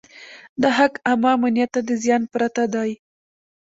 دا حق عامه امنیت ته د زیان پرته دی.